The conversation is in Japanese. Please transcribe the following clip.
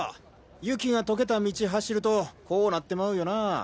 雪が溶けた道走るとこうなってまうよなァ。